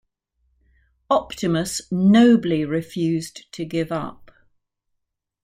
Optimus nobly refused to give up.